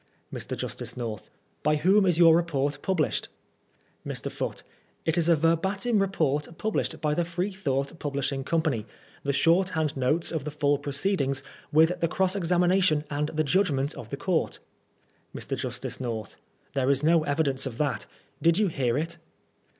Mr. Justice North : By whom is your report published? Mr. Foote : It is a verbatim report published by the Free thought Publishing Company — the shorthand notes of the full proceedings, with the cross examination and the judgment of the court Mr. Justice North : There is no evidence of that Did you hear it?